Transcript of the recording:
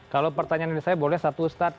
kalau pertanyaan ini saya boleh satu ustadz